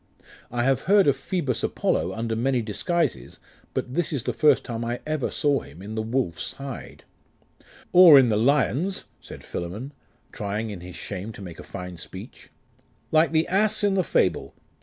I have heard of Phoebus Apollo under many disguises, but this is the first time I ever saw him in the wolf's hide.' 'Or in the lion's,' said Philammon, trying in his shame to make a fine speech. 'Like the Ass in the Fable.